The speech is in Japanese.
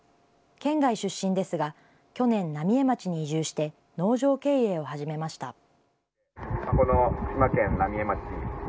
県外出身ですが、去年、浪江町に移住して農場経営を始めました。